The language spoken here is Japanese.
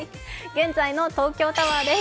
現在の東京タワーです。